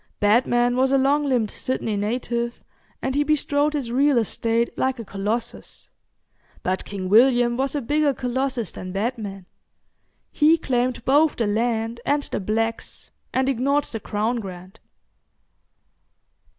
Batman was a long limbed Sydney native, and he bestrode his real estate like a Colossus, but King William was a bigger Colossus than Batman he claimed both the land and the blacks, and ignored the Crown grant.